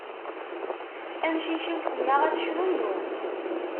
Amcic-iw semmaɣ-as cnunnu.